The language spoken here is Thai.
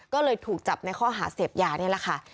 ก็เลยถูกจับในข้อหาเสพยานี่แหละค่ะ